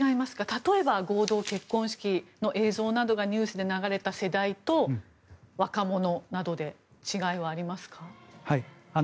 例えば合同結婚式の映像などがニュースで流れた世代と若者などで違いはありますか。